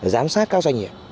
giám sát cao doanh nghiệp